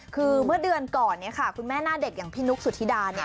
เมื่อเดือนก่อนคุณแม่หน้าเด็กอย่างพี่นุกสุธิด้า